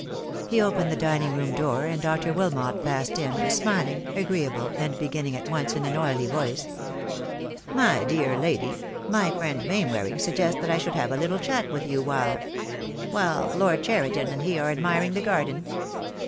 He opened the dining room door, and Dr. Wilmot passed in, smiling, agreeable, and beginning at once in an oily voice, "My dear lady, my friend Mainwaring sug gests that I should have a little chat with you while — while Lord Cheriton and he are admiring the garden.